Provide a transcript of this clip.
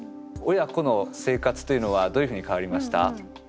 親子の生活というのはどういうふうに変わりました？